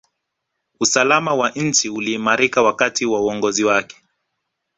usalama wa nchi uliimarika wakati wa uongozi wake